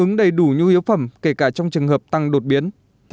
ứng đầy đủ nhu yếu phẩm kể cả trong trường hợp tăng đột biến